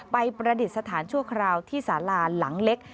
ประดิษฐานชั่วคราวที่สาราหลังเล็ก